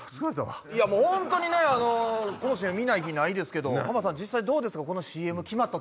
本当にこのＣＭ見ない日ないですけど実際どうですか？